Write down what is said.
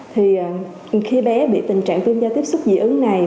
thì khi bé bị tình trạng viêm da tiếp xúc dị ứng này